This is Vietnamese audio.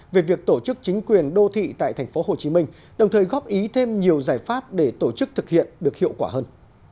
về việc tổ chức chính quyền đô thị tại tp hcm đồng thời góp ý thêm nhiều giải pháp để tổ chức thực hiện được hiệu quả hơn